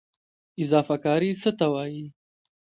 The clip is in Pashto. اضافه کاري څه ته وایي؟